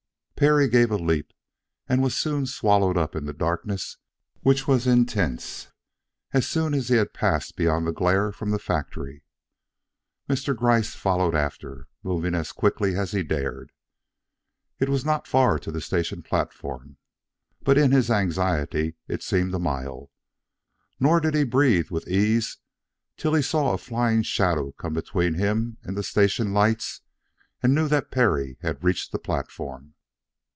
Perry gave a leap and was soon swallowed up in the darkness which was intense as soon as he had passed beyond the glare from the factory. Mr. Gryce followed after, moving as quickly as he dared. It was not far to the station platform, but in his anxiety it seemed a mile; nor did he breathe with ease till he saw a flying shadow come between him and the station lights and knew that Perry had reached the platform.